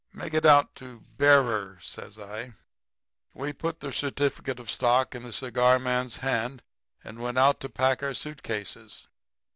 "'Make it out to bearer,' says I. "We put the certificate of stock in the cigar man's hand and went out to pack our suit cases.